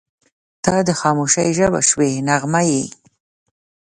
• ته د خاموشۍ ژبه شوې نغمه یې.